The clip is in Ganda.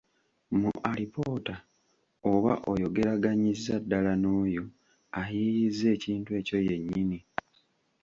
Mu alipoota oba oyogeraganyiza ddala n’oyo ayiiyizza ekintu ekyo yennyini.